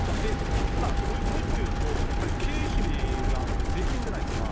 ただ、もう一個言うと、経費がこれ税金じゃないですか。